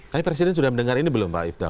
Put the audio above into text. tapi presiden sudah mendengar ini belum pak ifdal